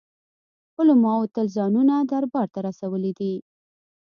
علماوو تل ځانونه دربار ته رسولي دي.